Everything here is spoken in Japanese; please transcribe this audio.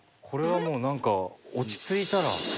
これはもう何か落ち着いたら。